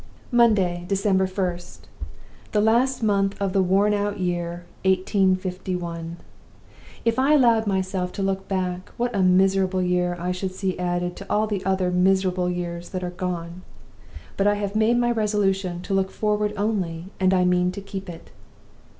"Monday, December 1st. The last month of the worn out old year 1851! If I allowed myself to look back, what a miserable year I should see added to all the other miserable years that are gone! But I have made my resolution to look forward only, and I mean to keep it.